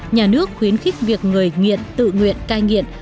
nhà nước khuyến khích việc người nghiện tự nguyện cai nghiện